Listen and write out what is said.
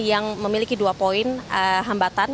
yang memiliki dua poin hambatan